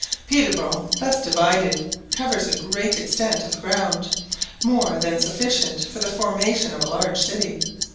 Peterborough thus divided covers a great extent of ground, more than sufficient for the formation of a large city.